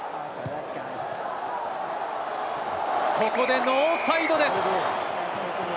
ここでノーサイドです。